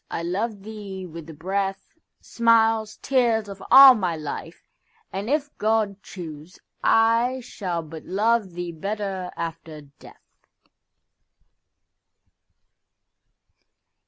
I love thee with the breath, Smiles, tears, of all my life; and, if God choose,I shall but love thee better after death.